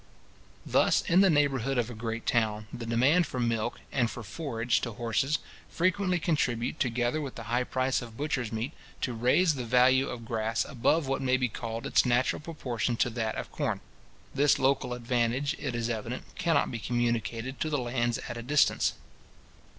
Thus, in the neighbourhood of a great town, the demand for milk, and for forage to horses, frequently contribute, together with the high price of butcher's meat, to raise the value of grass above what may be called its natural proportion to that of corn. This local advantage, it is evident, cannot be communicated to the lands at a distance.